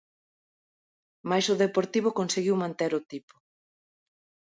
Mais o Deportivo conseguiu manter o tipo.